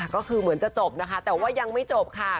ก็คือเหมือนจะจบนะคะแต่ว่ายังไม่จบค่ะ